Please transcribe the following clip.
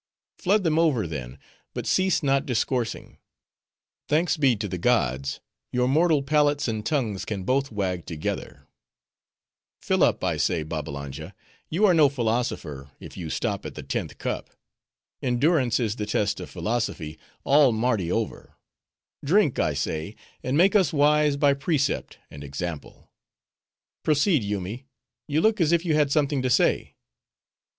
"Flood them over, then; but cease not discoursing; thanks be to the gods, your mortal palates and tongues can both wag together; fill up, I say, Babbalanja; you are no philosopher, if you stop at the tenth cup; endurance is the test of philosophy all Mardi over; drink, I say, and make us wise by precept and example.—Proceed, Yoomy, you look as if you had something to say."